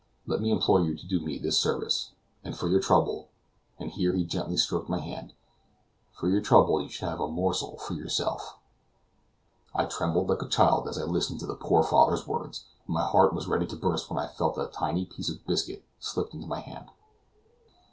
Let me implore you to do me this service; and for your trouble," and here he gently stroked my hand "for your trouble you shall have a morsel for yourself." I trembled like a child as I listened to the poor father's words; and my heart was ready to burst when I felt a tiny piece of biscuit slipped into my hand.